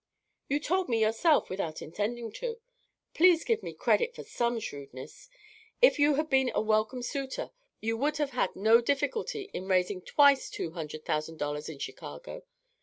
"_ "You told me yourself without intending to. Please give me credit for some shrewdness. If you had been a welcome suitor, you would have had no difficulty in raising twice two hundred thousand dollars in Chicago.